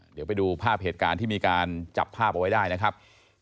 เดี๋ยวไปดูภาพเหตุการณ์ที่มีการจับภาพเอาไว้ได้นะครับ